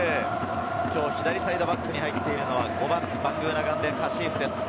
今日、左サイドバックに入っているのはバングーナガンデ佳史扶です。